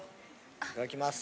いただきます。